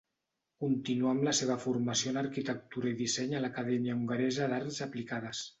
Continuà amb la seva formació en arquitectura i disseny a l'Acadèmia Hongaresa d'Arts Aplicades.